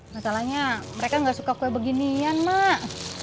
masalahnya mereka nggak suka kue beginian mak